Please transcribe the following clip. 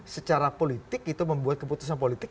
secara politik itu membuat keputusan politik